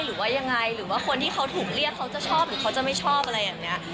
หรือว่ายังไงหรือว่าคนที่เขาถูกเรียกเขาจะชอบหรือเขาจะไม่ชอบอะไรอย่างนี้